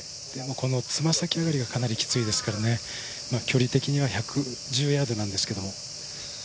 つま先よりはかなりきついですから、距離的には１１０ヤードなんですけど。